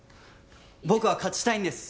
僕は勝ちたいんです。